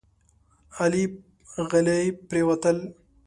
غلي پرېوتل.